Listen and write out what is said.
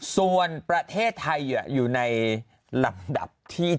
ส่วนประเทศไทยอยู่ในลำดับที่๗